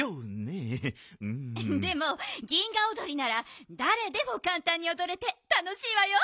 でも銀河おどりならだれでもかんたんにおどれてたのしいわよ！